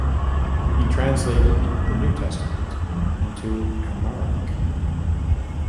He translated the New Testament into Amharic.